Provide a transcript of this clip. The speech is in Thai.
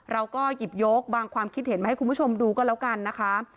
เราก็หยิบยกบางความคิดเห็นมาให้คุณผู้ชมดูก็แล้วกันนะคะ